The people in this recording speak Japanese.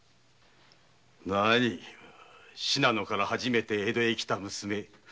なあに信濃から初めて江戸へ来た娘